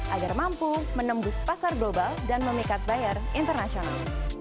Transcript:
agar mampu menembus pasar global dan memikat bayar internasional